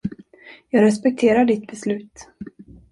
Jag respekterar ditt beslut.